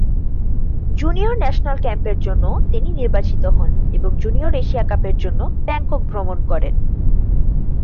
Junior national ক্যাম্পের জন্যও তিনি নির্বাচিত হন এবং জুনিয়র এশিয়া কাপের জন্য ব্যাংকক ভ্রমণ করেন।